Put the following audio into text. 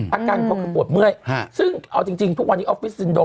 อาการเขาคือปวดเมื่อยซึ่งเอาจริงทุกวันนี้ออฟฟิศซินโด